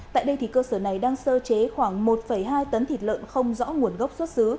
tại đây cơ sở này đang sơ chế khoảng một hai tấn thịt lợn không rõ nguồn gốc xuất xứ